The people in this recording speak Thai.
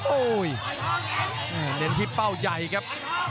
โอ้โหเน้นที่เป้าใหญ่ครับ